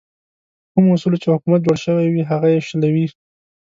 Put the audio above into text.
په کومو اصولو چې حکومت جوړ شوی وي هغه یې شلوي.